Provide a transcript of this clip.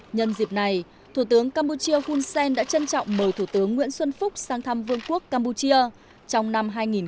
nhân dịp này thủ tướng campuchia hunsen đã trân trọng mời thủ tướng nguyễn xuân phúc sang thăm vương quốc campuchia trong năm hai nghìn một mươi bảy